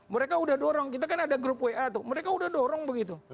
mereka udah dorong kita kan ada grup wa tuh mereka udah dorong begitu